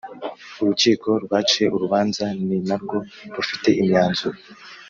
Urukiko rwaciye urubanza ni na rwo rufite imyanzuro